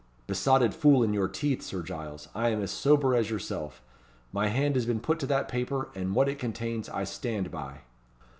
"Besotted fool in your teeth, Sir Giles. I am as sober as yourself. My hand has been put to that paper, and what it contains I stand by."